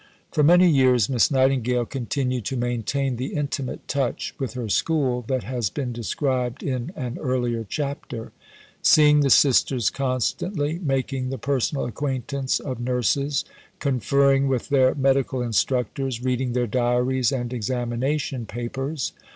For many years Miss Nightingale continued to maintain the intimate touch with her School that has been described in an earlier chapter: seeing the Sisters constantly, making the personal acquaintance of nurses, conferring with their medical instructors, reading their diaries and examination papers.